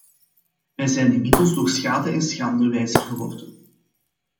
We zijn inmiddels door schade en schande wijzer geworden.